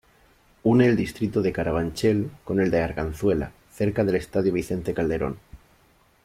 Une el distrito de Carabanchel con el de Arganzuela cerca del estadio Vicente Calderón.